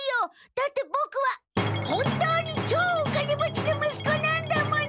だってボクは本当にちょうお金持ちのむすこなんだもの！